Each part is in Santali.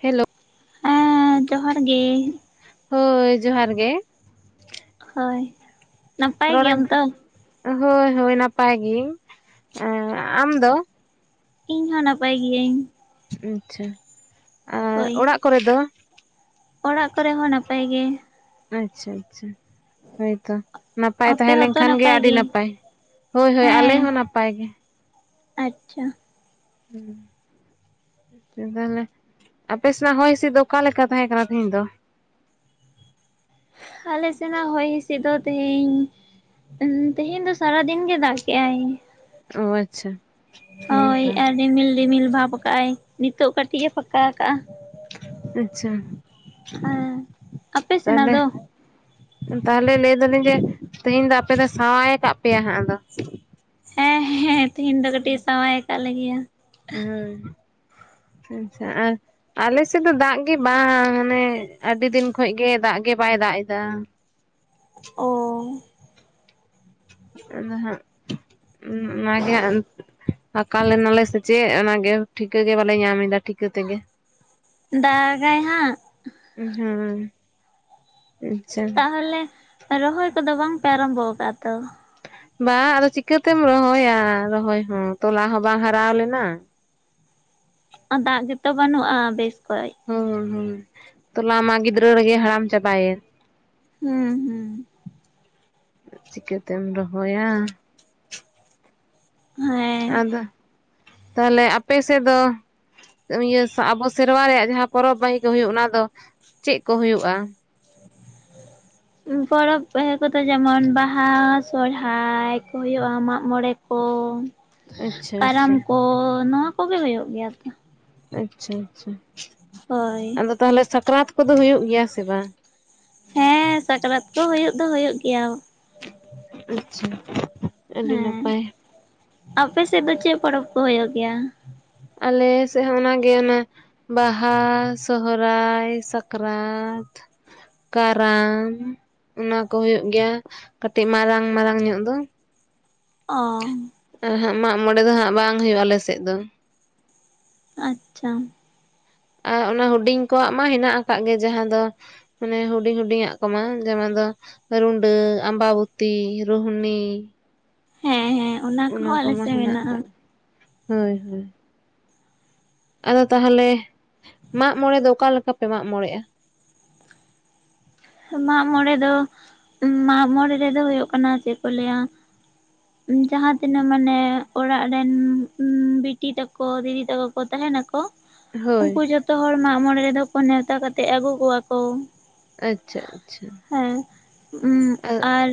ᱦᱮᱞᱳ᱾ ᱦᱮᱸ ᱡᱚᱦᱟᱨ ᱜᱮ᱾ ᱦᱳᱭ ᱡᱚᱦᱟᱨ ᱜᱮ᱾ ᱦᱳᱭ ᱱᱟᱯᱟᱭ ᱨᱚᱲ ᱜᱮᱭᱟᱢ ᱛᱚ? ᱦᱳᱭ ᱦᱳᱭ ᱱᱟᱯᱟᱭ ᱜᱮᱹᱭᱟᱹᱧ, ᱮᱸ ᱟᱢ ᱫᱚ? ᱤᱧ ᱦᱚᱸ ᱱᱟᱯᱟᱭ ᱜᱤᱭᱟᱹᱧ᱾ ᱟᱪᱪᱷᱟ ᱟᱨ ᱦᱳᱭ ᱚᱲᱟᱜ ᱠᱚᱨᱮᱜ ᱫᱚ? ᱚᱲᱟᱜ ᱠᱚᱨᱮ ᱦᱚᱸ ᱱᱟᱯᱟᱭ ᱜᱮ᱾ ᱟᱪᱪᱷᱟ ᱟᱪᱪᱷᱟ ᱦᱳᱭᱛᱚ ᱱᱟᱯᱟᱭ ᱛᱟᱦᱮᱸ ᱞᱮᱱᱠᱷᱟᱱ ᱜᱮ ᱟᱹᱰᱤ ᱱᱟᱯᱟᱭ ᱾ ᱦᱳᱭ ᱦᱳᱭ ᱟᱞᱮ ᱦᱚᱸ ᱱᱟᱯᱟᱭ ᱜᱮ᱾ ᱟᱪᱪᱷᱟ‌᱾ ᱦᱩᱸ᱾ ᱛᱟᱦᱚᱞᱮ ᱟᱯᱮ ᱥᱮᱱᱟᱜ ᱦᱚᱭ ᱦᱤᱸᱥᱤᱫ ᱫᱚ ᱚᱠᱟ ᱞᱮᱠᱟ ᱛᱟᱦᱮᱸ ᱠᱟᱱᱟ ᱛᱤᱦᱤᱧ ᱫᱚ? ᱟᱞᱮ ᱥᱮᱱᱟᱜ ᱦᱚᱭ ᱦᱤᱸᱥᱤᱫ ᱫᱚ ᱛᱮᱦᱤᱧ ᱩᱸ ᱛᱮᱦᱮᱧ ᱫᱚ ᱥᱟᱨᱟ ᱫᱤᱱ ᱜᱮ ᱫᱟᱜ ᱠᱮᱜᱼᱟᱭ᱾ ᱚ ᱟᱪᱪᱷᱟ᱾ ᱦᱳᱭ ᱦᱮᱸᱛᱚ ᱟᱨ ᱨᱤᱢᱤᱞ ᱨᱤᱢᱤᱞ ᱵᱷᱟᱵ ᱠᱟᱜᱼᱟᱭ ᱱᱤᱛᱳᱜ ᱠᱟ ᱴᱤᱡ ᱮ ᱯᱷᱟᱸᱠᱟ ᱠᱟᱜᱼᱟ ᱟᱪᱪᱷᱟ ᱦᱮᱸ ᱟᱯᱮ ᱥᱮᱱᱟᱜ ᱛᱟᱦᱚᱞᱮ ᱫᱚ? ᱛᱟᱦᱚᱞᱮ ᱞᱮᱹᱭ ᱫᱟᱞᱤᱧ ᱡᱮ ᱛᱮᱦᱤᱧ ᱫᱚ ᱟᱯᱮ ᱫᱚ ᱥᱟᱶᱟᱭ ᱠᱟᱜ ᱯᱮᱭᱟ ᱦᱟᱸᱜ ᱟᱫᱚ? ᱦᱮᱸ ᱦᱮᱸ ᱛᱤᱦᱤᱧ ᱫᱚ ᱠᱟᱹᱴᱤᱡ ᱮ ᱥᱟᱶᱟᱭ ᱠᱟᱫ ᱞᱮᱜᱮᱭᱟ᱾ ᱦᱳᱭ ᱟᱪᱪᱷᱟ ᱟᱨ ᱟᱞᱮ ᱥᱮᱫ ᱫᱚ ᱫᱟᱜ ᱜᱮ ᱵᱟᱝ ᱦᱟᱱᱮ ᱟᱹᱰᱤ ᱫᱤᱱ ᱠᱷᱚᱡ ᱜᱮ ᱫᱟᱜ ᱜᱮ ᱵᱟᱭ ᱫᱟᱜ ᱮᱫᱟ᱾ ᱚ᱾ ᱟᱫᱚ ᱦᱟᱸᱜ ᱱᱚᱣᱟ ᱜᱮ ᱟᱠᱟᱞ ᱮᱱᱟᱞᱮ ᱥᱮᱪᱮᱫ ᱚᱱᱟᱜᱮ ᱴᱷᱤᱠᱟᱹ ᱜᱮ ᱵᱟᱞᱮ ᱧᱟᱢ ᱫᱟ ᱴᱷᱤᱠᱟᱹ ᱛᱮᱜᱮ᱾ ᱫᱟᱜᱟᱭ ᱦᱟᱸᱜ᱾ ᱦᱳᱭ ᱟᱪᱪᱷᱟ᱾ ᱛᱟᱦᱚᱞᱮ ᱨᱚᱦᱚᱭ ᱠᱚᱫᱚ ᱵᱟᱝ ᱯᱮ ᱟᱨᱟᱢᱵᱚ ᱠᱟᱜᱼᱟ ᱛᱚ? ᱵᱟᱝ ᱟᱫᱚ ᱪᱤᱠᱟᱹᱛᱮᱢ ᱨᱚᱦᱚᱭᱟ ᱨᱚᱦᱚᱭ ᱦᱚᱸ ᱛᱚᱞᱟ ᱦᱚᱸ ᱵᱟᱝ ᱦᱟᱨᱟᱣ ᱞᱮᱱᱟ? ᱟ ᱫᱟᱜ ᱜᱮᱛᱚ ᱵᱟᱹᱱᱩᱜ-ᱟ ᱵᱮᱥ ᱠᱚᱡ᱾ ᱦᱳᱭ ᱦᱳᱭ ᱛᱞᱟ ᱢᱟ ᱜᱤᱫᱽᱨᱟᱹ ᱨᱮᱜᱮ ᱦᱟᱲᱟᱢ ᱪᱟᱵᱟᱭᱮᱱ᱾ ᱦᱩᱸ ᱦᱩᱸ ᱪᱤᱠᱟᱹ ᱛᱮᱢ ᱨᱚᱦᱚᱭ-ᱟ ᱦᱮᱸ ᱟᱫᱚ ᱛᱟᱦᱞᱮ ᱟᱯᱮ ᱥᱮᱫ ᱫᱚ? ᱤᱭᱟᱹ ᱟᱵᱚ ᱥᱮᱨᱢᱟ ᱨᱮᱭᱟᱜ ᱡᱟᱦᱟᱸ ᱯᱚᱨᱚᱵᱽ ᱵᱟᱦᱤ ᱠᱚ ᱦᱩᱭᱩᱜ ᱚᱱᱟ ᱫᱚ ᱪᱮᱫ ᱠᱚ ᱦᱩᱭᱩᱜᱼᱟ? [unintelligible] ᱯᱚᱨᱚᱵᱽ ᱠᱚᱫᱚ ᱡᱮᱢᱚᱱ ᱵᱟᱦᱟ ᱥᱚᱲᱦᱟᱭ ᱠᱚ ᱦᱩᱭᱩᱜ-ᱟ ᱢᱟᱸᱜ ᱢᱚᱸᱬᱮ ᱠᱚ, ᱟᱪᱪᱷᱟ ᱠᱟᱨᱟᱢ ᱟᱪᱪᱷᱟ ᱠᱚ ᱱᱚᱣᱟ ᱠᱚᱜᱮ ᱦᱳᱭᱳᱜ ᱜᱮᱭᱟ ᱛᱚ ᱟᱪᱪᱷᱟ ᱟᱪᱪᱷᱟ ᱦᱳᱭ ᱟᱫᱚ ᱛᱟᱦᱚᱞᱮ ᱥᱟᱠᱨᱟᱛ ᱠᱚᱫᱚ ᱦᱩᱭᱩᱜ ᱜᱮᱭᱟ ᱥᱮ ᱵᱟᱝ ᱦᱮᱸ ᱥᱟᱠᱨᱟᱛ ᱠᱚ ᱦᱳᱭᱳᱜ ᱫᱚ ᱦᱳᱭᱳᱜ ᱜᱮᱭᱟ ᱟᱪᱪᱷᱟ ᱟᱹᱰᱤ ᱦᱮᱸ ᱱᱟᱯᱟᱭ ᱾ ᱟᱯᱮ ᱥᱮᱫ ᱫᱚ ᱪᱮᱫ ᱯᱚᱨᱚᱵᱽ ᱠᱚ ᱦᱩᱭᱩᱜ ᱜᱮᱭᱟ? ᱟᱞᱮ ᱥᱮᱫ ᱦᱚᱸ ᱚᱱᱟᱜᱮ ᱚᱱᱟ ᱵᱟᱦᱟ ᱥᱚᱦᱚᱨᱟᱭ ᱥᱟᱠᱨᱟᱛ ᱠᱟᱨᱟᱢ ᱚᱱᱟ ᱠᱚ ᱦᱳᱭᱳᱜ ᱜᱮᱭᱟ ᱠᱟᱴᱤᱡ ᱢᱟᱨᱟᱝ ᱢᱟᱨᱟᱝ ᱧᱚᱜ ᱫᱚ ᱚ ᱟᱨ ᱦᱟᱸᱜ ᱢᱟᱜ ᱢᱚᱬᱮ ᱫᱚ ᱦᱟᱸᱜ ᱵᱟᱝ ᱦᱳᱭᱳᱜᱼᱟ ᱟᱞᱮᱥᱮᱫ ᱫᱚ᱾ ᱟᱪᱪᱷᱟ ᱟᱨ ᱚᱱᱟ ᱦᱩᱰᱤᱧ ᱠᱚᱣᱟᱜ ᱢᱟ ᱦᱮᱱᱟᱜ ᱟᱠᱟᱫ ᱜᱮ ᱡᱟᱦᱟᱸ ᱫᱚᱼᱼᱼ ᱢᱟᱱᱮ ᱦᱩᱰᱤᱧ ᱦᱩᱰᱤᱧ ᱟᱜ ᱠᱚᱢᱟ ᱡᱮᱢᱚᱱ ᱫᱚᱼᱼᱼ ᱨᱩᱰᱟᱹ, ᱟᱢᱵᱟᱵᱚᱛᱤ, ᱨᱳᱦᱱᱤ, ᱦᱮᱸ ᱦᱮᱸ ᱚᱱᱟ ᱠᱚᱦᱚᱸ ᱟᱞᱮ ᱠᱚᱢᱟ ᱥᱮᱫ ᱦᱮᱱᱟᱜ ᱢᱮᱱᱟᱜᱼᱟ ᱟᱠᱟᱜ ᱜᱮᱭᱟ ᱦᱳᱭ ᱦᱳᱭ᱾ ᱟᱫᱚ ᱛᱟᱦᱚᱞᱮ ᱢᱟᱜ ᱢᱚᱬᱮ ᱫᱚ ᱚᱠᱟ ᱞᱮᱠᱟ ᱯᱮ ᱢᱟᱜᱽ ᱢᱚᱬᱮᱜᱼᱟ᱾ ᱢᱟᱜᱽ ᱢᱚᱬᱮ ᱫᱚ ᱢᱟᱜᱽ ᱢᱚᱬᱮ ᱨᱮᱫᱚ ᱦᱳᱭᱳᱜ ᱠᱟᱱᱟ ᱪᱮᱫ ᱠᱚ ᱞᱟᱹᱭᱟ [unintelligible] ᱡᱟᱦᱟᱸ ᱛᱤᱱᱟᱹᱜ ᱢᱟᱱᱮ ᱚᱲᱟᱜ ᱨᱮᱱ ᱵᱤᱴᱤ ᱛᱟᱠᱚ ᱫᱤᱫᱤ ᱛᱟᱠᱚ ᱠᱚ ᱛᱟᱦᱮᱱᱟ ᱠᱚ᱾ ᱦᱳᱭ ᱩᱱᱠᱩ ᱡᱚᱛᱚ ᱦᱚᱲ ᱢᱟᱜ ᱢᱚᱬᱮ ᱨᱮᱫᱚ ᱠᱚ ᱱᱮᱣᱛᱟ ᱠᱟᱛᱮ ᱟᱹᱜᱩ ᱠᱚᱣᱟ ᱠᱚ᱾ ᱟᱪᱪᱷᱟ ᱟᱪᱪᱷᱟ ᱦᱮᱸ ᱟᱨ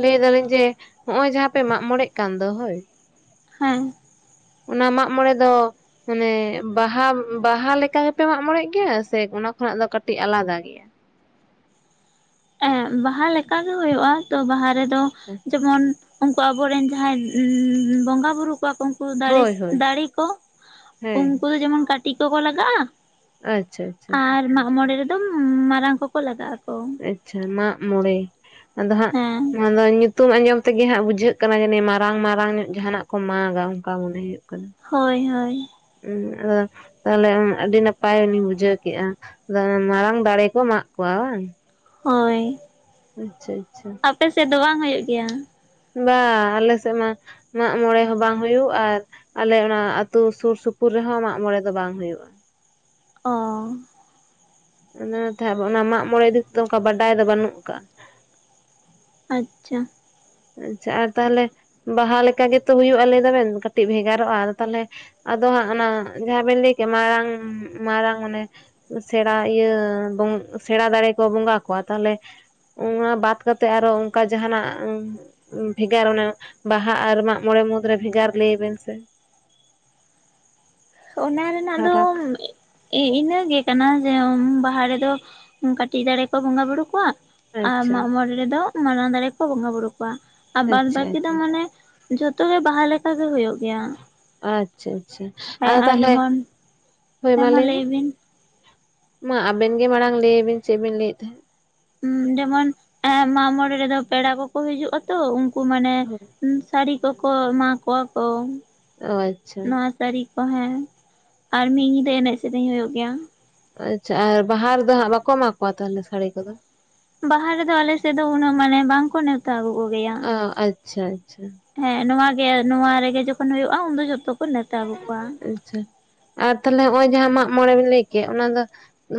ᱞᱟᱹᱭ ᱫᱟᱞᱤᱧ ᱡᱮ ᱦᱚᱜᱚᱭ ᱡᱟᱦᱟᱸ ᱯᱮ ᱢᱟᱜ ᱢᱚᱬᱮᱜ ᱠᱟᱱ ᱫᱚ ᱦᱳᱭᱼᱼᱼ ᱦᱮᱸ ᱚᱱᱟ ᱢᱟᱜ ᱢᱚᱲᱮ ᱫᱚ ᱢᱟᱱᱮ ᱵᱟᱦᱟ ᱵᱟᱦᱟ ᱞᱮᱠᱟ ᱜᱮᱯᱮ ᱢᱟᱜ ᱢᱚᱲᱮ ᱜᱮᱭᱟ ᱥᱮ ᱚᱱᱟ ᱠᱷᱚᱱᱟᱜ ᱫᱚ ᱠᱟᱹᱴᱤᱡ ᱟᱞᱟᱫᱟ ᱜᱮᱭᱟ? ᱮ ᱵᱟᱦᱟ ᱞᱮᱠᱟ ᱜᱮ ᱦᱳᱭᱳᱜᱼᱟ ᱛᱚ ᱵᱟᱦᱟ ᱨᱮᱫᱚ ᱡᱮᱢᱚᱱᱼᱼᱼ ᱩᱱᱠᱩ ᱟᱵᱚᱨᱮᱱ ᱡᱟᱦᱟᱸᱭ ᱵᱚᱸᱜᱟ ᱵᱩᱨᱩ ᱠᱚᱣᱟ ᱠᱚᱼᱼᱼ ᱫᱟᱲᱮ ᱦᱳᱭ ᱦᱳᱭ ᱫᱟᱨᱮ ᱠᱚ ᱦᱮᱸ ᱩᱱᱠᱩ ᱫᱚ ᱡᱮᱢᱚᱱ ᱠᱟᱹᱴᱤᱡ ᱠᱚᱠᱚ ᱞᱟᱜᱟᱜᱼᱟ᱾ ᱟᱪᱪᱷᱟ ᱟᱪᱪᱷᱟ ᱟᱨ ᱢᱟᱜᱢᱚᱬᱮ ᱨᱮᱫᱚ ᱢᱟᱨᱟᱝ ᱠᱚᱠᱚ ᱞᱟᱜᱟᱜ ᱟᱠᱚ᱾ ᱟᱪᱪᱷᱟ ᱢᱟᱜᱢᱚᱬᱮ ᱟᱫᱚ ᱦᱮᱸ ᱦᱟᱸᱜ [unintelligible] ᱧᱩᱛᱩᱢ ᱟᱸᱡᱚᱢ ᱛᱮᱜᱮ ᱦᱟᱸᱜ ᱵᱩᱡᱷᱟᱹᱜ ᱠᱟᱱᱟ ᱡᱟᱹᱱᱤᱡ ᱢᱟᱨᱟᱝ ᱢᱟᱨᱟᱝ ᱧᱚᱜ ᱡᱟᱦᱟᱱᱟᱜ ᱠᱚ ᱢᱟᱜᱟ ᱚᱱᱠᱟ ᱢᱚᱱᱮ ᱦᱩᱭᱩᱜ ᱠᱟᱱᱟ᱾ ᱦᱳᱭ ᱦᱳᱭ ᱩᱸ [inaudible] ᱛᱟᱦᱚᱞᱮ ᱟᱹᱰᱤ ᱱᱟᱯᱟᱭ ᱞᱤᱧ ᱵᱩᱡᱷᱟᱹᱣ ᱠᱮᱜᱼᱟ ᱟᱫᱚ ᱢᱟᱨᱟᱝ ᱫᱟᱲᱮ ᱠᱚ ᱢᱟᱜ ᱠᱚᱣᱟ ᱵᱟᱝ᱾ ᱦᱳᱭ ᱟᱪᱪᱷᱟ ᱟᱪᱪᱷᱟ ᱟᱯᱮ ᱥᱮᱫ ᱵᱟᱝ ᱦᱳᱭᱳᱜ ᱜᱮᱭᱟ? ᱵᱟ ᱟᱞᱮ ᱥᱮᱫ ᱢᱟ ᱢᱟᱜ ᱢᱚᱬᱮ ᱦᱚᱸ ᱵᱟᱝ ᱦᱳᱭᱳᱜ ᱟᱨᱼᱼᱼ ᱟᱞᱮ ᱚᱱᱟ ᱟᱹᱛᱩ ᱥᱩᱨ ᱥᱩᱯᱩᱨ ᱨᱮᱦᱚᱸ ᱢᱟᱜ ᱢᱚᱬᱮ ᱫᱚ ᱵᱟᱝ ᱦᱩᱭᱩᱜᱼᱟ᱾ ᱚ᱾ ᱚᱱᱟᱛᱮ ᱟ ᱚᱱᱟ ᱢᱟᱜ ᱢᱚᱬᱮ ᱤᱫᱤᱛᱮᱫᱚ ᱚᱱᱠᱟ ᱵᱟᱰᱟᱭ ᱫᱚ ᱵᱟᱹᱱᱩᱜ ᱟᱠᱟᱜᱼᱟ᱾ ᱟᱪᱪᱷᱟ᱾ ᱟᱪᱪᱷᱟ ᱟᱨ ᱛᱟᱦᱟᱞᱮ, ᱵᱟᱦᱟ ᱞᱮᱠᱟ ᱜᱮᱛᱚ ᱦᱩᱭᱩᱜᱼᱟ ᱞᱮᱭ ᱫᱟᱵᱮᱱ ᱠᱟᱹᱴᱤᱡ ᱵᱷᱮᱜᱟᱨᱚᱜᱼᱟ ᱟᱫᱚ ᱛᱟᱦᱚᱞᱮᱼᱼ ᱟᱫᱚ ᱦᱟᱸᱜ ᱚᱱᱟ ᱡᱟᱦᱟᱸ ᱵᱮᱱ ᱞᱟᱹᱭ ᱠᱮᱜ ᱢᱟᱨᱟᱝ ᱢᱟᱨᱟᱝ ᱚᱱᱮᱼᱼᱼᱼᱼ ᱥᱮᱬᱟ ᱤᱭᱟᱹ ᱥᱮᱬᱟ ᱫᱟᱲᱮ ᱠᱚ ᱵᱚᱸᱜᱟ ᱠᱚᱣᱟ ᱛᱟᱦᱚᱞᱮᱼᱼᱼᱼ ᱚᱱᱟ ᱵᱟᱫ ᱠᱟᱛᱮᱜ ᱟᱨᱚ ᱚᱱᱠᱟ ᱡᱟᱦᱟᱱᱟᱜᱼᱼᱼᱼ ᱵᱷᱮᱜᱟᱨ ᱚᱱᱮ ᱵᱟᱦᱟ, ᱟᱨ ᱢᱟᱜᱢᱚᱬᱮ, ᱢᱩᱫᱽᱨᱮ ᱵᱷᱮᱜᱟᱨ ᱞᱮᱭ ᱵᱮᱱ ᱥᱮ, ᱚᱱᱟ ᱨᱮᱱᱟᱜ ᱫᱚ, ᱯᱷᱟᱨᱟᱠ ᱮ ᱤᱱᱟᱹᱜᱮ ᱠᱟᱱᱟ ᱡᱮ ᱵᱟᱦᱟ ᱨᱮᱫᱚ, ᱠᱟᱹᱴᱤᱡ ᱫᱟᱨᱮ ᱠᱚ ᱵᱚᱸᱜᱟ ᱵᱩᱨᱩ ᱠᱚᱣᱟ᱾ ᱟᱨ ᱟᱪᱪᱷᱟ ᱢᱟᱜ ᱢᱚᱬᱮ ᱨᱮᱫᱚ ᱢᱟᱨᱟᱝ ᱫᱟᱨᱮ ᱠᱚ ᱵᱚᱸᱜᱟ ᱵᱩᱨᱩ ᱠᱚᱣᱟ᱾ ᱟᱨ ᱵᱟᱫ ᱟᱪᱪᱷᱟ ᱵᱟᱹᱠᱤ ᱫᱚ ᱟᱪᱪᱷᱟ ᱢᱟᱱᱮᱼᱼᱼ ᱡᱷᱚᱛᱚ ᱜᱮ ᱵᱟᱦᱟ ᱞᱮᱠᱟ ᱜᱮ ᱦᱳᱭᱳᱜ ᱜᱮᱭᱟ᱾ ᱟᱪᱪᱷᱟ ᱟᱪᱪᱷᱟ ᱦᱮᱸ ᱟᱫᱚ ᱟᱨ ᱛᱟᱦᱟᱞᱮ, ᱡᱮᱢᱚᱱ ᱦᱳᱭ ᱦᱮᱸ ᱢᱟ ᱞᱮᱭ ᱢᱮ᱾ ᱞᱟᱹᱭ ᱵᱤᱱ ᱢᱟ ᱟᱵᱮᱱ ᱜᱮ ᱢᱟᱲᱟᱝ ᱞᱮᱭᱵᱮᱱ ᱪᱮᱫ ᱵᱤᱱ ᱞᱮᱭᱮᱫ ᱛᱟᱦᱮᱸᱫ᱾ ᱡᱮᱢᱚᱱ, ᱮ ᱢᱟᱜ ᱢᱚᱬᱮ ᱨᱮᱫᱚ ᱯᱮᱲᱟ ᱠᱚᱠᱚ ᱦᱤᱡᱩᱜ ᱟᱛᱚ ᱩᱼᱼᱼ ᱠᱩ ᱢᱟᱱᱮ ᱦᱳᱭ ᱥᱟᱹᱲᱤ ᱠᱚᱠᱚ ᱮᱢᱟ ᱠᱚᱣᱟ ᱠᱚᱼᱼᱼ ᱚ ᱟᱪᱪᱷᱟ᱾ ᱛᱟᱹᱨᱤᱠᱷ ᱠᱚ ᱦᱮ, ᱸ ᱟᱨ ᱢᱤᱫ ᱧᱤᱫᱟᱹ ᱮᱱᱮᱡ ᱥᱮᱨᱮᱧ ᱦᱩᱭᱩᱜ ᱜᱮᱭᱟ᱾ ᱟᱪᱪᱷᱟ ᱟᱨ ᱵᱟᱦᱟ ᱨᱮᱫᱚ ᱦᱟᱸᱜ ᱵᱟᱠᱚ ᱮᱢᱟ ᱠᱚᱣᱟ ᱛᱟᱦᱟᱞᱮ ᱥᱟᱹᱲᱤ ᱠᱚᱫᱚ? ᱵᱟᱦᱟ ᱨᱮᱫᱚ ᱟᱞᱮ ᱥᱮᱫ ᱫᱚ ᱩᱱᱟᱹᱜ ᱢᱟᱱᱮ ᱵᱟᱝᱠᱚ ᱱᱮᱣᱛᱟ ᱟᱹᱜᱩ ᱠᱚᱜᱮᱭᱟ᱾ ᱚ ᱟᱪᱪᱷᱟ ᱟᱪᱪᱷᱟ ᱦᱮᱸ ᱱᱚᱣᱟ ᱜᱮ ᱱᱚᱣᱟ ᱨᱮᱜᱮ ᱡᱚᱠᱷᱚᱱ ᱦᱳᱭᱳᱜᱼᱟ ᱩᱱᱫᱚ ᱡᱷᱚᱛᱚ ᱠᱚ ᱱᱮᱣᱛᱟ ᱟᱹᱜᱩ ᱠᱚᱣᱟ᱾ ᱟᱪᱪᱷᱟ ᱟᱨ ᱛᱟᱦᱚᱞᱮ ᱱᱚᱜᱼᱚᱭ ᱡᱟᱦᱟᱸ ᱢᱟᱜᱢᱚᱬᱮ ᱵᱤᱱ ᱞᱮᱭ ᱠᱮᱫ ᱚᱱᱟ ᱫᱚ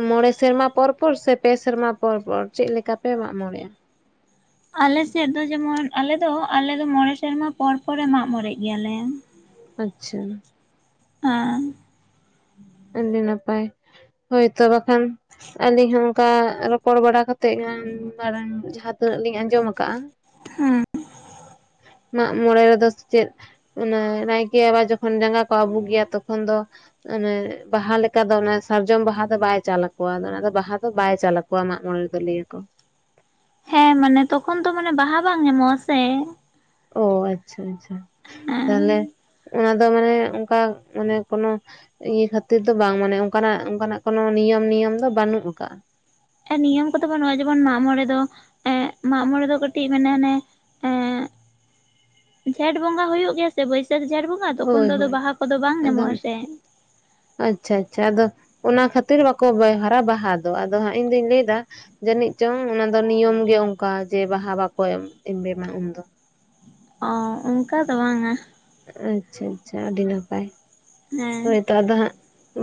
ᱢᱚᱬᱮ ᱥᱮᱨᱢᱟ ᱯᱚᱨ ᱯᱚᱨ ᱥᱮ ᱯᱮ ᱥᱮᱨᱢᱟ ᱯᱚᱨ ᱯᱚᱨ ᱪᱮᱫ ᱞᱮᱠᱟ ᱯᱮ ᱢᱟᱜ ᱢᱚᱬᱮᱜᱼᱟ? ᱟᱞᱮᱥᱮᱫ ᱫᱚ ᱡᱮᱢᱚᱱ ᱟᱞᱮᱫᱚ ᱟᱞᱮᱫᱚ ᱢᱚᱬᱮ ᱥᱮᱨᱢᱟ ᱯᱚᱨ ᱯᱚᱨᱮ ᱢᱟᱜ ᱢᱚᱬᱮ ᱜᱮᱭᱟᱞᱮ᱾ ᱟᱪᱪᱷᱟ᱾ ᱟ ᱟᱹᱰᱤ ᱱᱟᱯᱟᱭ, ᱦᱳᱭᱛᱚ ᱵᱟᱠᱷᱟᱱ᱾ ᱟᱹᱞᱤᱧ ᱦᱚᱸ ᱚᱱᱠᱟ ᱨᱚᱯᱚᱲ ᱵᱟᱲᱟ ᱠᱟᱛᱮ ᱜᱮ [unintelligible] ᱡᱟᱦᱟᱸᱛᱤᱱᱟᱹᱜ ᱞᱤᱧ ᱟᱸᱡᱚᱢ ᱟᱠᱟᱜᱼᱟ᱾ ᱦᱮᱸ ᱢᱟᱜ ᱢᱚᱬᱮ ᱨᱮᱫᱚ ᱥᱮ ᱪᱮᱫ ᱚᱱᱮ ᱱᱟᱭᱠᱮ ᱵᱟᱵᱟ ᱡᱚᱠᱷᱚᱱ ᱡᱟᱸᱜᱟ ᱠᱚ ᱟᱹᱵᱩᱜᱭᱟ ᱛᱚᱠᱷᱚᱱ ᱫᱚ ᱚᱱᱮ, ᱵᱟᱦᱟ ᱞᱮᱠᱟ ᱫᱚ ᱚᱱᱟ ᱥᱟᱨᱡᱚᱢ ᱵᱟᱦᱟ ᱫᱚ ᱵᱟᱭ ᱪᱟᱞ ᱟᱠᱚᱣᱟ ᱚᱱᱟ ᱫᱚ ᱵᱟᱦᱟ ᱫᱚ ᱵᱟᱭ ᱪᱟᱞ ᱟᱠᱚᱣᱟ ᱢᱟᱜ ᱢᱚᱬᱮ ᱨᱮᱫᱚ ᱞᱮᱭ ᱟᱠᱚ᱾ ᱦᱮᱸ ᱢᱟᱱᱮ ᱛᱚᱠᱷᱚᱱ ᱫᱚ ᱢᱟᱱᱮ ᱵᱟᱦᱟ ᱵᱟᱝ ᱧᱟᱢᱚᱜᱼᱟ ᱥᱮ᱾ ᱚ ᱟᱪᱪᱷᱟ ᱟᱪᱪᱷᱟ ᱛᱟᱦᱟᱞᱮ ᱚᱱᱟ ᱫᱚ ᱢᱟᱱᱮ ᱚᱱᱠᱟ ᱢᱟᱱᱮ ᱠᱚᱱᱚ ᱤᱭᱟᱹ ᱠᱷᱟᱹᱛᱤᱨ ᱫᱚ ᱵᱟᱝ ᱢᱟᱱᱮ ᱚᱱᱠᱟᱱᱟᱜ ᱚᱱᱠᱟᱱᱟᱜ ᱠᱚᱱᱚ ᱱᱤᱭᱚᱢ ᱱᱤᱭᱚᱢ ᱫᱚ ᱵᱟᱹᱱᱩᱜ ᱟᱠᱟᱫᱟ᱾ ᱱᱤᱭᱚᱢ ᱠᱚᱫᱚ ᱵᱟᱹᱱᱩᱜᱼᱟ ᱡᱮᱢᱚᱱ ᱢᱟᱜ ᱢᱚᱬᱮ ᱫᱚ ᱮᱜ ᱢᱟᱜ ᱢᱚᱬᱮ ᱫᱚ ᱠᱟᱹᱴᱤᱡ ᱢᱮᱱᱟ ᱚᱱᱮ [unintelligible] ᱡᱷᱮᱸᱴ ᱵᱚᱸᱜᱟ ᱦᱩᱭᱩᱜ ᱜᱮᱭᱟ ᱥᱮ ᱵᱟᱹᱭᱥᱟᱹᱠ ᱡᱷᱮᱸᱴ ᱵᱚᱸᱜᱟ ᱛᱚᱠᱷᱚᱱ ᱦᱳᱭ ᱫᱚ ᱟᱫᱚ ᱦᱳᱭ ᱵᱟᱦᱟ ᱠᱚᱫᱚ ᱵᱟᱝ ᱟᱫᱚ ᱧᱟᱢᱚᱜ ᱟᱥᱮ᱾ ᱟᱪᱪᱷᱟ ᱟᱪᱪᱷᱟ ᱟᱫᱚ ᱚᱱᱟ ᱠᱷᱟᱹᱛᱤᱨ ᱵᱟᱠᱚ ᱵᱮᱦᱟᱨᱟ ᱵᱟᱦᱟ ᱫᱚ ᱟᱫᱚ ᱦᱟᱸᱜ ᱤᱧᱫᱩᱧ ᱞᱮᱭ ᱮᱫᱟ ᱡᱟᱹᱱᱤᱡ ᱪᱚᱝ ᱚᱱᱟ ᱫᱚ ᱱᱤᱭᱚᱢ ᱜᱮ ᱚᱱᱠᱟ ᱡᱮ ᱵᱟᱦᱟ ᱵᱟᱠᱚ ᱮᱢᱵᱮᱢᱟ ᱩᱱᱫᱚ᱾ ᱚ ᱚᱱᱠᱟ ᱫᱚ ᱵᱟᱝᱼᱟ᱾ ᱟᱪᱪᱷᱟ ᱟᱪᱪᱷᱟ ᱟᱹᱰᱤ ᱱᱟᱯᱟᱭ᱾ ᱦᱮᱸ ᱦᱳᱭ ᱛᱚ ᱟᱫᱚ ᱦᱟᱸᱜ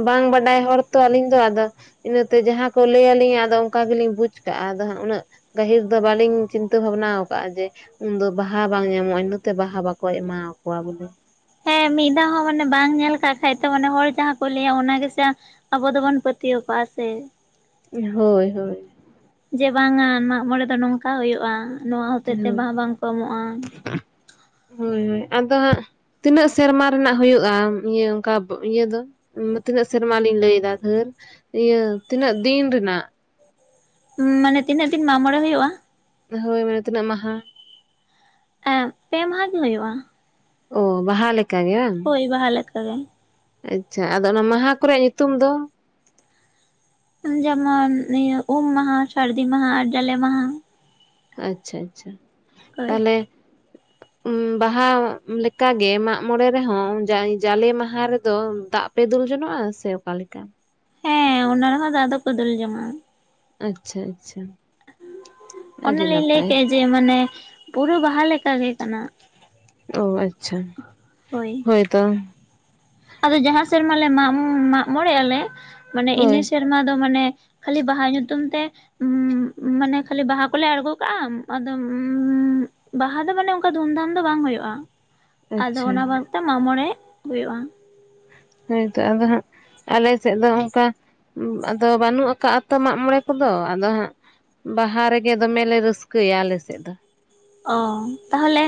ᱵᱟᱝ ᱵᱟᱰᱟᱭ ᱦᱚᱲ ᱛᱚ ᱟᱹᱞᱤᱧ ᱫᱚ ᱟᱫᱚ ᱤᱱᱟᱹᱛᱮ ᱡᱟᱦᱟᱸ ᱠᱚ ᱞᱟᱹᱭ ᱟᱹᱞᱤᱧᱟ ᱟᱫᱚ ᱚᱝᱠᱟ ᱜᱮᱞᱤᱧ ᱵᱩᱡᱽ ᱠᱟᱜᱼᱟ ᱟᱫᱚ ᱦᱟᱸᱜ ᱩᱱᱟᱹᱜ ᱜᱟᱹᱦᱤᱨ ᱫᱚ ᱵᱟᱹᱞᱤᱧ ᱪᱤᱱᱛᱟᱹ ᱵᱷᱟᱵᱱᱟ ᱣᱟᱠᱟᱜᱼᱟ ᱡᱮ ᱩᱱᱫᱚ ᱵᱟᱦᱟ ᱵᱟᱝ ᱧᱟᱢᱚᱜᱼᱟ ᱤᱱᱟᱹᱛᱮ ᱵᱟᱦᱟ ᱵᱟᱠᱚ ᱮᱢᱟᱣᱟᱠᱚᱣᱟ ᱵᱚᱞᱮ᱾ ᱦᱮᱸ ᱢᱤᱫ ᱫᱷᱟᱣ ᱦᱚᱸ ᱢᱟᱱᱮ ᱵᱟᱝ ᱧᱮᱞ ᱠᱟᱜ ᱠᱷᱟᱡ ᱛᱚ ᱢᱟᱱᱮ ᱦᱚᱲ ᱡᱟᱦᱟᱸ ᱠᱚ ᱞᱟᱹᱭᱟ ᱚᱱᱟ ᱜᱮᱥᱮ ᱟᱵᱚ ᱫᱚᱵᱚᱱ ᱯᱟᱹᱛᱭᱟᱹᱣ ᱠᱟᱜᱼᱟ ᱥᱮ ᱦᱳᱭ ᱦᱳᱭ᱾ ᱡᱮ ᱵᱟᱝᱼᱟ ᱢᱟᱜ ᱢᱚᱬᱮ ᱫᱚ ᱱᱚᱝᱠᱟ ᱦᱩᱭᱩᱜᱼᱟ, ᱱᱚᱣᱟ ᱦᱳᱭ ᱦᱚᱛᱮᱜ ᱛᱮ ᱦᱳᱭ ᱵᱟᱦᱟ ᱵᱟᱝ ᱠᱚ ᱮᱢᱚᱜᱼᱟ᱾ ᱦᱳᱭ ᱦᱳᱭ ᱟᱫᱚ ᱦᱟᱸᱜ ᱛᱤᱱᱟᱹᱜ ᱥᱮᱨᱢᱟ ᱨᱮᱱᱟᱜ ᱦᱳᱭᱩᱜᱼᱟ ᱤᱭᱟᱹ ᱚᱝᱠᱟ ᱤᱭᱟᱹ ᱫᱚ ᱢᱟᱹ ᱛᱤᱱᱟᱹᱜ ᱥᱮᱨᱢᱟᱞᱤᱧ ᱞᱟᱹᱭ ᱮᱫᱟ ᱫᱷᱟᱹᱨ ᱤᱭᱟᱹ ᱛᱤᱱᱟᱹᱜ ᱫᱤᱱ ᱨᱮᱱᱟᱜ? ᱢᱟᱱᱮ ᱛᱤᱱᱟᱹᱜ ᱫᱤᱱ ᱢᱟᱜ ᱢᱚᱬᱮ ᱦᱩᱭᱩᱜᱼᱟ? ᱦᱳᱭ ᱢᱟᱱᱮ ᱛᱤᱱᱟᱹᱜ ᱢᱟᱦᱟ? ᱮᱸ ᱯᱮ ᱢᱟᱦᱟ ᱜᱮ ᱦᱳᱭᱳᱜᱼᱟ᱾ ᱳ ᱵᱟᱦᱟ ᱞᱮᱠᱟ ᱜᱮ ᱵᱟᱝ? ᱦᱳᱭ ᱵᱟᱦᱟ ᱞᱮᱠᱟ ᱜᱮ᱾ ᱟᱪᱪᱷᱟ ᱟᱫᱚ ᱚᱱᱟ ᱢᱟᱦᱟ ᱠᱚᱨᱮᱭᱟᱜ ᱧᱩᱛᱩᱢ ᱫᱚ? ᱡᱮᱢᱚᱱ ᱤᱭᱟᱹ ᱩᱢ ᱢᱟᱦᱟ ᱥᱟᱹᱨᱫᱤ ᱢᱟᱦᱟ ᱟᱨ ᱡᱟᱞᱮ ᱢᱟᱦᱟ᱾ ᱟᱪᱪᱷᱟ ᱟᱪᱪᱷᱟ ᱦᱳᱭ ᱛᱟᱦᱞᱮ ᱩᱸᱻ ᱵᱟᱦᱟ ᱞᱮᱠᱟᱜᱮ ᱢᱟᱜ ᱢᱚᱬᱮ ᱨᱮᱦᱚᱸ ᱡᱟ ᱡᱟᱞᱮ ᱢᱟᱦᱟ ᱨᱮᱫᱚ ᱫᱟᱜ ᱯᱮ ᱫᱩᱞ ᱡᱚᱱᱚᱜᱼᱟ ᱥᱮ ᱚᱠᱟ ᱞᱮᱠᱟ? ᱦᱮᱸ ᱚᱱᱟ ᱨᱮᱦᱚᱸ ᱫᱟᱜ ᱫᱚᱠᱚ ᱫᱩᱞ ᱡᱚᱝ ᱟᱸᱜᱼᱟ᱾ ᱟᱪᱪᱷᱟ ᱟᱪᱪᱷᱟ᱾ ᱚᱱ ᱟᱹᱰᱤ ᱞᱤᱧ ᱞᱟᱹᱭ ᱱᱟᱯᱟᱭ ᱠᱮᱜᱼᱟ ᱡᱮ ᱢᱟᱱᱮ ᱯᱩᱨᱟᱹ ᱵᱟᱦᱟ ᱞᱮᱠᱟ ᱜᱮ ᱠᱟᱱᱟ᱾ ᱚ ᱟᱪᱪᱷᱟ ᱦᱳᱭ ᱛᱚ᱾ ᱟᱫᱚ ᱡᱟᱦᱟᱸ ᱥᱮᱨᱢ ᱞᱮ ᱢᱟᱸᱜ ᱢᱟᱸᱜ ᱢᱚᱬᱮ ᱟᱞᱮ ᱢᱟᱱᱮ ᱤᱱᱟᱹ ᱦᱳᱭ ᱥᱮᱨᱢᱟ ᱫᱚ ᱢᱟᱱᱮ ᱠᱷᱟᱹᱞᱤ ᱵᱟᱦᱟ ᱧᱩᱛᱩᱢ ᱛᱮ ᱩᱸᱻ ᱢᱟᱱᱮ ᱠᱷᱟᱞᱞᱤ ᱵᱟᱦᱟ ᱠᱩᱞᱮ ᱟᱬᱜᱚ ᱠᱟᱜᱼᱟ ᱟᱫᱚᱢ ᱩᱸᱻ ᱵᱟᱦᱟ ᱫᱚ ᱢᱟᱱᱮ ᱚᱱᱠᱟ ᱫᱷᱩᱢᱼᱫᱷᱟᱢ ᱫᱚ ᱵᱟᱝ ᱦᱩᱭᱩᱜᱼᱟ, ᱟᱫᱚ ᱟᱪᱪᱷᱟ ᱚᱱᱟ ᱵᱚᱱᱩᱛᱮ ᱢᱟᱸᱜ ᱢᱚᱬᱮ ᱦᱩᱭᱩᱜᱼᱟ᱾ ᱦᱤᱛ ᱛᱚ ᱟᱫᱚ ᱦᱟᱸᱜ ᱟᱞᱮ ᱥᱮᱡ ᱫᱚ ᱚᱱᱠᱟ ᱟᱫᱚ ᱵᱟᱱᱩᱜ ᱟᱠᱟᱜ ᱟᱛᱚ ᱢᱟᱜ ᱢᱚᱬᱮ ᱠᱚᱫᱚ ᱟᱫᱚ ᱦᱟᱸᱜ ᱵᱟᱦᱟ ᱨᱮᱜᱮ ᱫᱚᱢᱮ ᱞᱮ ᱨᱟᱹᱥᱠᱟᱹᱭᱟ ᱟᱞᱮᱥᱮᱜ ᱫᱚ᱾ ᱚ ᱛᱟᱦᱞᱮ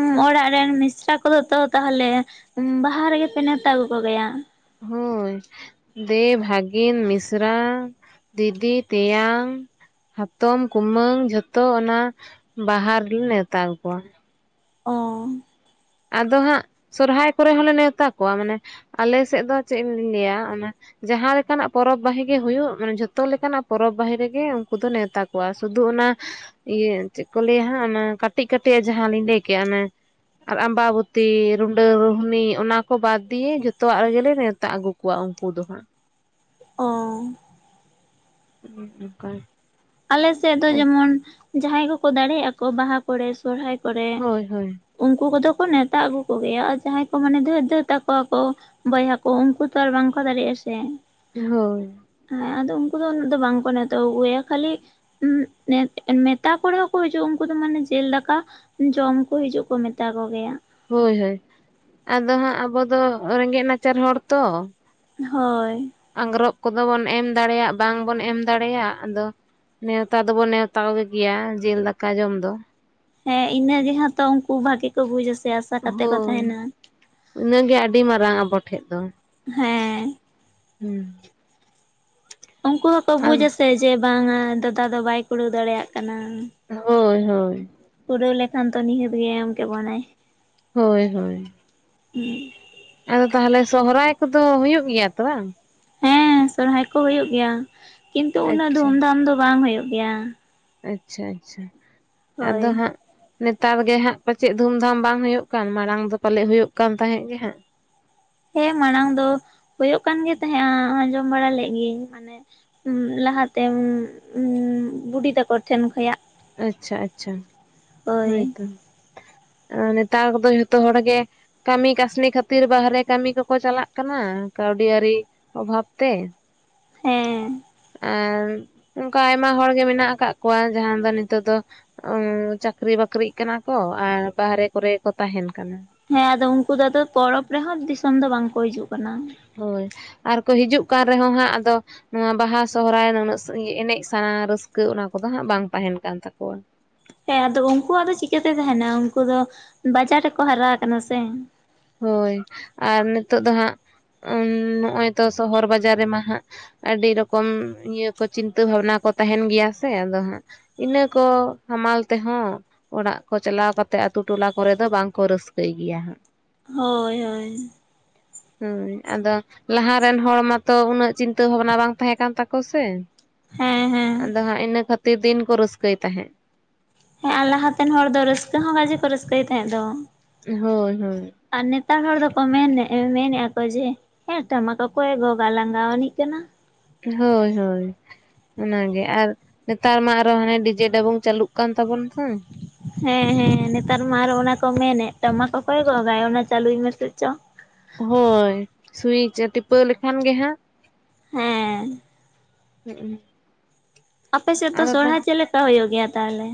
ᱩᱸᱻ ᱚᱲᱟᱜ ᱨᱮᱱ ᱢᱤᱥᱨᱟ ᱠᱚᱫᱚ ᱛᱚ ᱛᱟᱦᱞᱮ ᱵᱟᱦᱟ ᱨᱮᱜᱮᱯᱮ ᱱᱮᱣᱛᱟ ᱟᱹᱜᱩ ᱠᱚᱜᱮᱭᱟ? ᱦᱳᱭ᱾ ᱫᱮ ᱵᱷᱟᱜᱤᱱ, ᱢᱤᱥᱨᱟ, ᱫᱤᱫᱤ, ᱛᱮᱭᱟᱝ ᱦᱟᱛᱚᱢ, ᱠᱩᱢᱟᱹᱝ ᱡᱷᱚᱛᱚ ᱚᱱᱟ ᱵᱟᱦᱟ ᱨᱮ ᱱᱮᱣᱛᱟ ᱟᱜᱩ ᱠᱚᱣᱟ᱾ ᱚᱻ ᱟᱫᱚ ᱦᱟᱸᱜ ᱥᱚᱨᱦᱟᱭ ᱠᱩᱨᱮ ᱦᱚᱸᱞᱮ ᱱᱮᱣᱛᱟ ᱠᱚᱣᱟ, ᱢᱟᱱᱮ ᱟᱞᱮ ᱥᱮᱡ ᱫᱚ ᱪᱮᱜ ᱤᱧ ᱞᱟᱹᱭᱟ ᱚᱱᱟ ᱡᱟᱦᱟᱸ ᱞᱮᱠᱟᱱᱟᱜ ᱯᱚᱨᱚᱵ ᱵᱟᱦᱤ ᱜᱮ ᱦᱩᱭᱩᱜ ᱢᱟᱱᱮ ᱡᱷᱚᱛᱚ ᱞᱮᱠᱟᱱᱟ ᱯᱚᱨᱚᱵ ᱵᱟᱹᱦᱤ ᱨᱮᱜᱮ ᱩᱱᱠᱩ ᱫᱚ ᱱᱮᱣᱛᱟ ᱠᱚᱣᱟ ᱥᱩᱫᱩ ᱚᱱᱟ ᱤᱭᱟᱹ ᱪᱮᱫ ᱠᱚ ᱞᱟᱹᱭᱟ ᱦᱟᱸᱜ ᱚᱱᱟ ᱠᱟᱹᱴᱤᱜ ᱠᱟᱹᱴᱤᱜ ᱡᱟᱦᱟᱸ ᱞᱤᱧ ᱞᱟᱹᱭ ᱠᱮᱜᱼᱟ ᱚᱱᱮ ᱟᱨ ᱟᱢᱵᱟᱵᱚᱛᱤ, ᱨᱩᱰᱟᱹ, ᱨᱩᱦᱱᱤ ᱚᱱᱟ ᱠᱚ ᱵᱟᱫᱽ ᱫᱤᱭᱮ ᱡᱚᱛᱚᱣᱟᱜ ᱨᱮᱜᱮ ᱞᱮ ᱱᱮᱣᱛᱟ ᱟᱹᱜᱩ ᱠᱩᱣᱟᱜ ᱩᱱᱠᱩ ᱫᱚ ᱦᱟᱸᱜ᱾ ᱚᱸᱻ [inaudible] ᱠᱟ ᱟᱞᱮ ᱥᱮᱜ ᱫᱚ ᱡᱮᱢᱚᱱ ᱡᱟᱦᱟᱸᱭ ᱠᱚᱠᱚ ᱫᱟᱲᱮᱜ ᱟᱠᱚ ᱵᱟᱦᱟ ᱠᱚᱨᱮ ᱥᱚᱨᱦᱟᱭ ᱠᱚᱨᱮ ᱦᱳᱭ ᱦᱳᱭ ᱩᱱᱠᱩ ᱠᱚᱫᱚ ᱠᱚ ᱱᱮᱣᱛᱟ ᱟᱹᱜᱩ ᱠᱚᱜᱮᱭᱟ ᱟᱨ ᱡᱟᱦᱟᱸᱭ ᱠᱚ ᱢᱟᱱᱮ ᱫᱷᱟᱹᱨ ᱫᱷᱟᱹᱨ ᱛᱟᱠᱚᱣᱟ ᱠᱚ ᱵᱚᱭᱦᱟ ᱠᱚ ᱩᱝᱠᱩ ᱛᱚ ᱟᱨ ᱵᱟᱝᱠᱚ ᱫᱟᱲᱮᱭᱟᱜ-ᱟ ᱥᱮ᱾ ᱦᱳᱭ᱾ ᱟᱫᱚ ᱩᱝᱠᱩ ᱫᱚ ᱩᱱᱟᱹᱜ ᱫᱚ ᱵᱟᱝ ᱠᱚ ᱱᱮᱣᱛᱟ [inaudible] ᱠᱷᱟᱹᱞᱤ [inaudible] ᱢᱮᱛᱟ ᱠᱚ ᱨᱮᱦᱚᱸᱠᱚ ᱦᱤᱡᱩᱜ ᱩᱝᱠᱩ ᱫᱚ ᱢᱟᱱᱮ ᱡᱮᱞ ᱫᱟᱠᱟ ᱡᱚᱢ ᱠᱚ ᱦᱤᱡᱩᱜ ᱠᱚ ᱢᱮᱛᱟ ᱠᱚᱜᱮᱭ-ᱟ᱾ ᱦᱳᱭ ᱦᱳᱭ ᱟᱫᱚ ᱦᱟᱸᱜ ᱟᱵᱚ ᱫᱚ ᱨᱮᱸᱜᱮ ᱱᱟᱪᱟᱨ ᱦᱚᱲ ᱛᱚ᱾ ᱦᱳᱭ᱾ ᱟᱝᱜᱽᱨᱚᱜ ᱠᱚᱫᱚ ᱵᱚᱱ ᱮᱢ ᱫᱟᱲᱮᱭᱟᱜ ᱵᱟᱝᱵᱚᱱ ᱮᱢ ᱫᱟᱲᱮᱭᱟᱜ ᱟᱫᱚ ᱱᱮᱣᱛᱟ ᱫᱚᱵᱚᱱ ᱱᱮᱣᱛᱟ ᱠᱚ ᱜᱮᱭᱟ ᱡᱮᱞ ᱫᱟᱠᱟ ᱡᱚᱢ ᱫᱚ᱾ ᱦᱮᱸ ᱤᱱᱟᱹ ᱨᱮᱦᱚᱸ ᱛᱚ ᱩᱝᱠᱩ ᱵᱷᱟᱜᱮ ᱠᱚ ᱵᱩᱡᱟ ᱥᱮ ᱟᱥᱟ ᱠᱟᱛᱮ ᱠᱚ ᱦᱳᱭ ᱛᱟᱦᱮᱱ-ᱟ᱾ ᱤᱱᱟᱹᱜᱮ ᱟᱹᱰᱤ ᱢᱟᱨᱟᱝ ᱟᱵᱚ ᱴᱷᱮᱡ ᱫᱚ᱾ ᱦᱮᱸ᱾ ᱦᱩᱸ᱾ ᱩᱝᱠᱩ ᱫᱚᱠᱚ ᱟᱨ ᱵᱩᱡᱟ ᱥᱮ ᱡᱮ ᱵᱟᱝᱟ ᱫᱟᱫᱟ ᱫᱚ ᱵᱟᱭ ᱠᱩᱲᱟᱹᱣ ᱫᱟᱲᱮᱭᱟᱜ ᱠᱟᱱᱟ᱾ ᱦᱳᱭ ᱦᱳᱭ᱾ ᱠᱩᱨᱟᱹᱣ ᱞᱮᱠᱷᱟᱱ ᱛᱚ ᱱᱤᱦᱟᱹᱛ ᱜᱮᱭ ᱮᱢ ᱠᱮᱵᱟᱱᱟᱭ᱾ ᱦᱳᱭ ᱦᱳᱭ᱾ ᱦᱩᱸ᱾ ᱟᱫᱚ ᱛᱟᱦᱟᱞᱮ ᱥᱚᱦᱚᱨᱟᱭ ᱠᱚᱫᱚ ᱦᱳᱭᱳ ᱜᱮᱭᱟ ᱛᱚ ᱵᱟᱝ? ᱥᱚᱦᱨᱟᱭ ᱠᱚ ᱦᱳᱭᱳ ᱜᱮᱭᱟ, ᱠᱤᱱᱛᱩ ᱩᱱᱟᱹᱜ ᱟᱪᱪᱷᱟ ᱫᱩᱢ ᱫᱟᱢ ᱫᱚ ᱵᱟᱝ ᱦᱳᱭᱳ ᱜᱮᱭᱟ᱾ ᱟᱪᱪᱷᱟ ᱟᱪᱪᱷᱟ ᱦᱳᱭ ᱟᱫᱚ ᱦᱟᱸᱜ ᱱᱮᱛᱟᱨ ᱜᱮ ᱦᱟᱸᱜ ᱯᱟᱪᱮ ᱫᱷᱩᱢ ᱫᱷᱟᱢ ᱵᱟᱝ ᱦᱳᱭᱳ ᱠᱟᱱ, ᱢᱟᱲᱟᱝ ᱫᱚ ᱯᱟᱞᱮ ᱦᱳᱭᱳ ᱠᱟᱱ ᱛᱟᱦᱮᱸᱫ ᱜᱮ ᱦᱟᱸᱜ᱾ ᱦᱮᱸ ᱢᱟᱲᱟᱝ ᱫᱚ ᱦᱳᱭᱳᱜ ᱠᱟᱱ ᱜᱮ ᱛᱟᱦᱮᱸᱜ-ᱟ, ᱟᱸᱡᱚᱢ ᱵᱟᱲᱟ ᱞᱮᱫ ᱜᱤᱧ ᱢᱟᱱᱮ ᱞᱟᱦᱟᱛᱮᱢ [unintelligible] ᱵᱩᱰᱤ ᱛᱟᱠᱚ ᱴᱷᱮᱱ ᱠᱷᱚᱭᱟᱜ᱾ ᱟᱪᱪᱷᱟ ᱟᱪᱪᱷᱟ ᱦᱳᱭ ᱛᱚ ᱱᱮᱛᱟᱨ ᱠᱚᱫᱚ ᱡᱷᱚᱛᱚ ᱦᱚᱲ ᱜᱮ ᱠᱟᱹᱢᱤ ᱠᱟᱹᱥᱱᱤ ᱠᱷᱟᱹᱛᱤᱨ ᱵᱟᱦᱨᱮ ᱠᱟᱹᱢᱤ ᱠᱚᱠᱚ ᱪᱟᱞᱟᱜ ᱠᱟᱱᱟ, ᱠᱟᱹᱣᱰᱤ ᱟᱨᱤ ᱚᱵᱷᱟᱵ ᱛᱮ ᱾ ᱦᱮᱸ᱾ ᱟᱨ ᱚᱝᱠᱟ ᱟᱭᱢᱟ ᱦᱚᱲ ᱜᱮ ᱢᱮᱱᱟᱜ ᱟᱠᱟᱜ ᱠᱚᱣᱟ ᱡᱟᱦᱟᱸ ᱫᱚ ᱱᱤᱛᱳᱜ ᱫᱚ [inaudible] ᱪᱟᱹᱠᱨᱤ ᱵᱟᱹᱠᱨᱤᱜ ᱠᱟᱱᱟ ᱠᱚ ᱟᱨ ᱵᱟᱦᱨᱮ ᱠᱚᱨᱮ ᱜᱮᱠᱚ ᱛᱟᱦᱮᱱ ᱠᱟᱱᱟ ᱾ ᱦᱮᱸ ᱟᱫᱚ ᱩᱝᱠᱩ ᱫᱚ ᱟᱫᱚ ᱯᱚᱨᱚᱵ ᱨᱮᱦᱚᱸ ᱫᱤᱥᱚᱢ ᱫᱚ ᱵᱟᱝᱠᱚ ᱦᱤᱡᱩᱜ ᱠᱟᱱᱟ ᱾ ᱦᱳᱭ ᱟᱨᱠᱚ ᱦᱤᱡᱩᱜ ᱠᱟᱱ ᱨᱮᱦᱚᱸ ᱦᱟᱸᱜ ᱟᱫᱚ ᱱᱚᱣᱟ ᱵᱟᱦᱟ ᱥᱚᱦᱚᱨᱟᱭ [inaudible] ᱮᱱᱮᱡ ᱥᱟᱱᱟ ᱨᱟᱹᱥᱠᱟᱹ ᱚᱱᱟ ᱠᱚᱫᱚ ᱦᱟᱸᱜ ᱵᱟᱝ ᱛᱟᱦᱮᱱ ᱠᱟᱱ ᱛᱟᱠᱚᱣ-ᱟ ᱾ ᱦᱮᱸ ᱟᱫᱚ ᱩᱝᱠᱩᱣᱟᱜ ᱫᱚ ᱪᱤᱠᱟᱹᱛᱮ ᱛᱟᱦᱮᱱᱟ ᱩᱝᱠᱩ ᱫᱚ ᱵᱟᱡᱟᱨ ᱨᱮᱠᱚ ᱦᱟᱨᱟ ᱠᱟᱱᱟ ᱥᱮ ᱾ ᱦᱳᱭ ᱟᱨ ᱱᱤᱛᱳᱜ ᱫᱚ ᱦᱟᱸᱜ ᱱᱚᱜᱚᱭ ᱛᱚ ᱥᱚᱦᱚᱨ ᱵᱟᱡᱟᱨ ᱨᱮᱢᱟ ᱦᱟᱸᱜ ᱟᱹᱰᱤ ᱨᱚᱠᱚᱢ ᱤᱭᱟᱹ ᱠᱚ ᱪᱤᱱᱛᱟᱹ ᱵᱷᱟᱵᱱᱟ ᱠᱚ ᱛᱟᱦᱮᱱ ᱜᱮᱭᱟ ᱥᱮ ᱟᱫᱚ ᱦᱟᱸᱜ ᱤᱱᱟᱹ ᱠᱚ ᱦᱟᱢᱟᱞ ᱛᱮᱦᱚᱸ ᱚᱲᱟᱜ ᱠᱚ ᱪᱟᱞᱟᱣ ᱠᱟᱛᱮᱜ ᱟᱛᱳ ᱴᱚᱞᱟ ᱠᱚᱨᱮ ᱫᱚ ᱵᱟᱝᱠᱚ ᱨᱟᱹᱥᱠᱟᱹᱭ ᱜᱮᱭᱟ ᱦᱟᱸᱜ ᱾ ᱦᱳᱭ ᱦᱳᱭ᱾ ᱦᱳᱭ ᱟᱫᱚ ᱞᱟᱦᱟ ᱨᱮᱱ ᱦᱚᱲ ᱢᱟᱛᱚ ᱩᱱᱟᱹᱜ ᱪᱤᱱᱛᱟᱹ ᱵᱷᱟᱵᱽᱱᱟ ᱵᱟᱝ ᱛᱟᱦᱮᱸ ᱠᱟᱱ ᱛᱟᱠᱚ ᱥᱮ ᱦᱮᱸ ᱦᱮᱸ ᱾ ᱟᱫᱚ ᱦᱟᱸᱜ ᱤᱱᱟᱹ ᱠᱷᱟᱹᱛᱤᱨ ᱫᱤᱱ ᱠᱚ ᱨᱟᱹᱥᱠᱟᱹᱭ ᱛᱟᱦᱮᱸᱜ ᱾ ᱦᱮᱸ ᱟᱨ ᱞᱟᱦᱟᱛᱮᱱ ᱦᱚᱲ ᱫᱚ ᱨᱟᱹᱥᱠᱟᱹ ᱦᱚᱸ ᱜᱟᱡᱮ ᱠᱚ ᱨᱟᱹᱥᱠᱟᱹᱭ ᱛᱟᱦᱮᱸᱜ ᱫᱚ ᱾ ᱦᱳᱭ ᱦᱳᱭ᱾ ᱟᱨ ᱱᱮᱛᱟᱨ ᱦᱚᱲ ᱫᱚᱠᱚ ᱢᱮᱱᱮᱜ ᱢᱮᱱᱮᱜ-ᱟ ᱠᱚ ᱡᱮ ᱦᱮᱸ ᱴᱟᱢᱟᱠ ᱚᱠᱚᱭᱮ ᱜᱚᱜᱟ ᱞᱟᱸᱜᱟᱣᱟᱱᱤᱡ ᱠᱟᱱᱟ ᱾ ᱦᱳᱭ ᱦᱳᱭ᱾ ᱚᱱᱟᱜᱮ ᱟᱨ ᱱᱮᱛᱟᱨ ᱢᱟ ᱟᱨᱚ ᱦᱟᱱᱮ ᱰᱤᱡᱮ ᱰᱟᱵᱩᱝ ᱪᱟᱹᱞᱩᱜ ᱠᱟᱱ ᱛᱟᱵᱚᱱ ᱛᱚ ᱾ ᱦᱮᱸ ᱦᱮᱸ ᱱᱮᱛᱟᱨ ᱢᱟ ᱟᱨᱚ ᱚᱱᱟ ᱠᱚ ᱢᱮᱱᱮᱫ ᱴᱟᱢᱟᱠ ᱚᱠᱚᱭᱮ ᱜᱚᱜᱟᱭ ᱚᱱᱟ ᱪᱟᱹᱞᱩᱭ ᱢᱮᱥᱮ ᱪᱚ ᱾ ᱦᱳᱭ, ᱥᱩᱭᱤᱪ ᱮ ᱴᱤᱯᱟᱹᱣ ᱞᱮᱠᱷᱟᱱ ᱜᱮ ᱦᱟᱸᱜ ᱦᱮᱸ, ᱦᱩᱸᱜᱼᱩᱸ᱾ ᱟᱯᱮᱥᱮᱫ ᱫᱚ ᱥᱚᱦᱨᱟᱭ ᱪᱮᱜ ᱞᱮᱠᱟ ᱦᱳᱭᱳᱜ ᱜᱮᱭᱟ ᱛᱟᱦᱚᱞᱮ?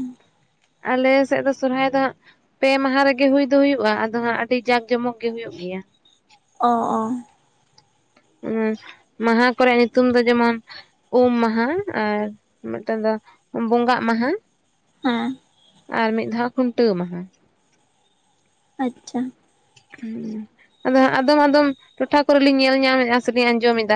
ᱟᱞᱮ ᱥᱮᱜ ᱫᱚ ᱥᱚᱨᱦᱟᱭ ᱫᱚ ᱦᱟᱸᱜ ᱯᱮ ᱢᱟᱦᱟ ᱨᱮᱜᱮ ᱦᱩᱭ ᱫᱚ ᱦᱩᱭᱩᱜᱼᱟ, ᱟᱫᱚ ᱦᱟᱸᱜ ᱟᱹᱰᱤ ᱡᱟᱠ ᱡᱚᱢᱚᱠ ᱜᱮ ᱦᱩᱭᱩᱜ ᱜᱮᱭᱟ ᱾ ᱚ ᱚ᱾ ᱩᱸ ᱢᱟᱦᱟ ᱠᱚᱨᱮᱭᱟᱜ ᱧᱩᱛᱩᱢ ᱫᱚ ᱡᱮᱢᱚᱱ ᱩᱢ ᱢᱟᱦᱟ ᱟᱨ ᱢᱮᱫᱴᱟᱱ ᱫᱚ ᱵᱚᱸᱜᱟᱜ ᱢᱟᱦᱟ, ᱦᱮᱸ, ᱟᱨ ᱢᱤᱫ ᱫᱷᱟᱣ ᱠᱷᱩᱱᱴᱟᱹᱣ ᱢᱟᱦᱟ ᱾ ᱟᱪᱪᱷᱟ᱾ ᱦᱩᱸ ᱟᱫᱚ ᱟᱫᱚᱢ ᱟᱫᱚᱢ ᱴᱚᱴᱷᱟ ᱠᱚᱨᱮ ᱞᱤᱧ ᱧᱮᱞ ᱧᱟᱢᱮᱜᱼᱟ ᱥᱮ ᱞᱤᱧ ᱟᱸᱡᱚᱢᱮᱫᱟ